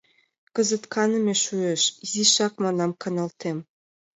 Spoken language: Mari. — Кызыт каныме шуэш, изишак, манам, каналтем.